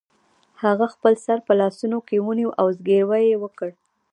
هغه خپل سر په لاسونو کې ونیو او زګیروی یې وکړ